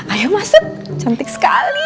ayo masuk cantik sekali